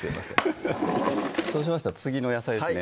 ハハハッそうしましたら次の野菜ですね